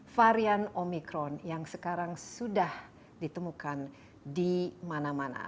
varian omikron yang sekarang sudah ditemukan di mana mana